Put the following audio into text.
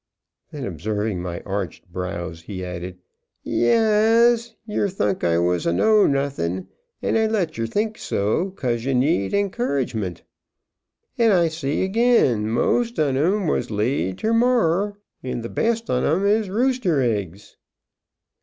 Then observing my arched brows, he added, "Yaas yer thunk I was a know nuthin', and I let yer think so, 'cause yer need 'couragement. And I say agin, most on 'em was laid ter morrer, and th' best on 'em is rooster eggs."